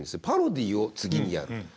パロディーを次にやる。